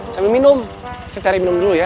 sambil minum saya cari minum dulu ya